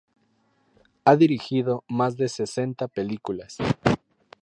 Ha dirigido más de sesenta películas.